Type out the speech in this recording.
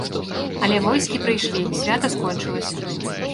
Але войскі прыйшлі, свята скончылася.